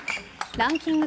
ランキング